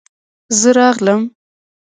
زه راغلم.